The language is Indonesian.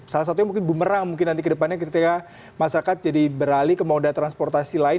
salah satunya mungkin bumerang mungkin nanti ke depannya ketika masyarakat jadi beralih ke moda transportasi lain